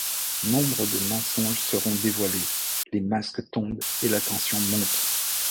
Nombre de mensonges seront dévoilés, les masques tombent et la tension monte.